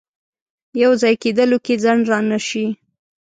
یو ځای کېدلو کې ځنډ رانه شي.